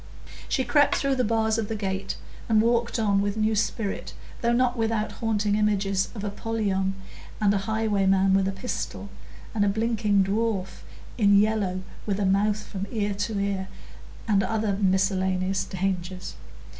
She crept through the bars of the gate and walked on with new spirit, though not without haunting images of Apollyon, and a highwayman with a pistol, and a blinking dwarf in yellow with a mouth from ear to ear, and other miscellaneous dangers.